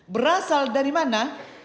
berasal dari mana